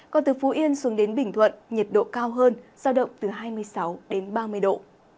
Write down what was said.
còn từ phú yên xuống đến bình thuận nhiệt độ cao hơn giao động từ hai mươi sáu đến ba mươi độ